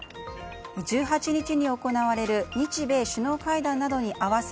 １８日に行われる日米韓首脳会談などに合わせ